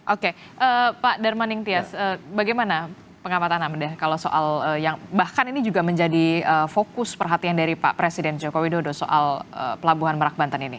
oke pak darmaning tias bagaimana pengamatan anda kalau soal yang bahkan ini juga menjadi fokus perhatian dari pak presiden joko widodo soal pelabuhan merak banten ini